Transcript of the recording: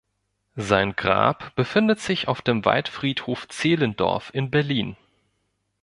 Sein Grab befindet sich auf dem Waldfriedhof Zehlendorf in Berlin.